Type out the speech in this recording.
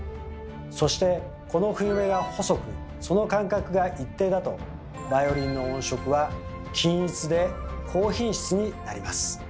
そしてこの冬目が細くその間隔が一定だとバイオリンの音色は均一で高品質になります。